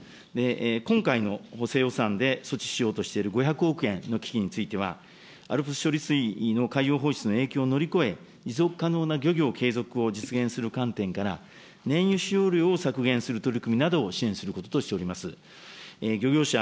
今回の補正予算で措置しようとしている５００億円の基金については、ＡＬＰＳ処理水の海洋放出の影響を乗り越え、持続可能な継続を実現する観点から、燃油使用りょうを削減する取り組みなどを支援することとしております。